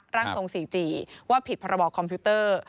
ร่างทรงสี่จีว่าผิดพรบคอมพิวเตอร์